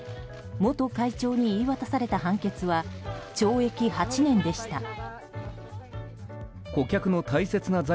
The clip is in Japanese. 元会長に言い渡された判決は懲役８年でした。